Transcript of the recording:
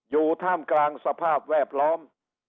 อยู่ท่ามกลางสภาพแวดล้อม